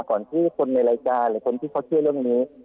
ก่อนที่คนในรายการหรือคนที่เขาเชื่อเรื่องนี้